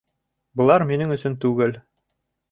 Былар минең өсөн түгел